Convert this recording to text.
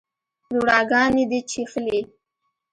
روڼاګاني دي چیښلې